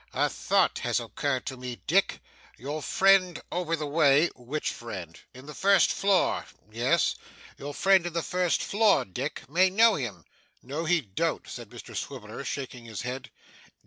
A thought has occurred to me, Dick; your friend over the way ' 'Which friend?' 'In the first floor.' 'Yes?' 'Your friend in the first floor, Dick, may know him.' 'No, he don't,' said Mr Swiveller, shaking his head.